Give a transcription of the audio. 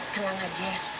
kenang aja ya